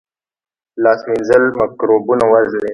لاس مینځل مکروبونه وژني